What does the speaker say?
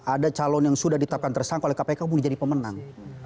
ada calon yang sudah ditetapkan tersangka oleh kpk boleh jadi pemenang